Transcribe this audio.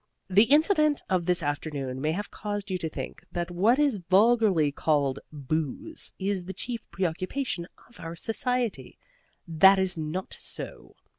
The incident of this afternoon may have caused you to think that what is vulgarly called booze is the chief preoccupation of our society. That is not so.